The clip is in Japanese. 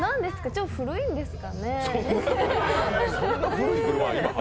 ちょっと古いんですかねえ。